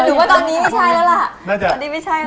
หนูว่าตอนนี้ไม่ใช่แล้วละ